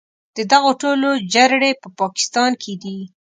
د دغو ټولو جرړې په پاکستان کې دي.